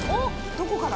どこから？